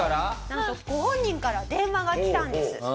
なんとご本人から電話がきたんです。